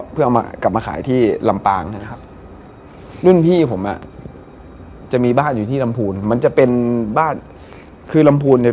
เป็นตัวเลขครับพี่